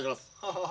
ハハハ。